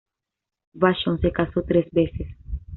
Vachon se casó tres veces.